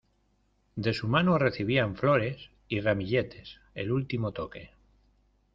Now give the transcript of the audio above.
De su mano recibían flores y ramilletes el último toque.